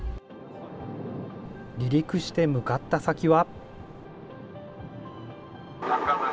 離陸して向かった先は。